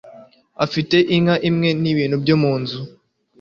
afite inka imwe n'ibintu byo munzu